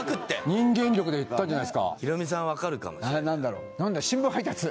人間力でいったんじゃないですかヒロミさん分かるかもしれない何だろう？